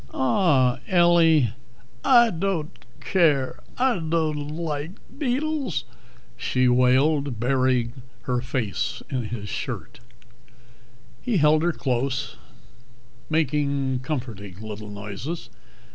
"Aw, Ellie " "I dod't care, I dod't like deedles!" she wailed, burying her face in his shirt. He held her close, making comforting little noises.